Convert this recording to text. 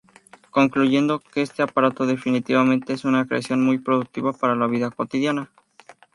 Concluyendo que este aparato definitivamente es una creación muy productiva para la vida cotidiana.